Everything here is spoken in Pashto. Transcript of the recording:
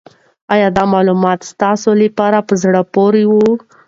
آیا دا معلومات ستاسو لپاره په زړه پورې وو؟